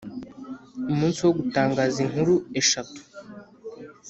Umunsi wo gutangaza inkuru eshatu